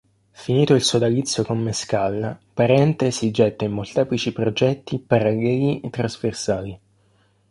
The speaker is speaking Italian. Finito il sodalizio con Mescal, Parente si getta in molteplici progetti paralleli e trasversali.